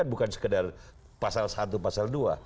bukan sekedar pasal satu pasal dua